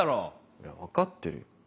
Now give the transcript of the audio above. いや分かってるよ。